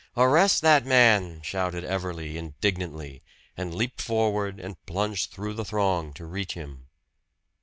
"Arrest that man!" shouted Everley indignantly, and leaped forward and plunged through the throng to reach him.